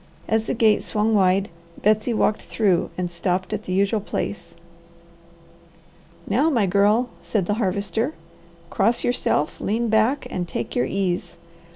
As the gate swung wide, Betsy walked through and stopped at the usual place. "Now my girl," said the Harvester, "cross yourself, lean back, and take your ease.